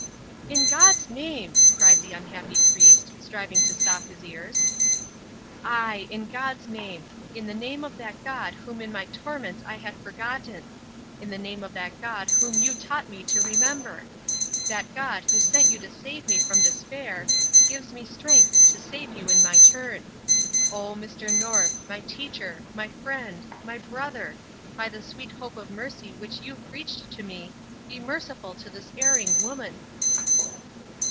"In God's name " cried the unhappy priest, striving to stop his ears. "Ay, in God's name! In the name of that God whom in my torments I had forgotten! In the name of that God whom you taught me to remember! That God who sent you to save me from despair, gives me strength to save you in my turn! Oh, Mr. North my teacher my friend my brother by the sweet hope of mercy which you preached to me, be merciful to this erring woman!"